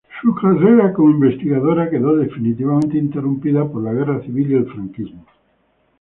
Su carrera como investigadora quedó definitivamente interrumpida por la Guerra Civil y el franquismo.